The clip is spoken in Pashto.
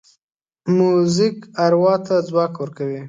موزیک اروا ته ځواک ورکوي.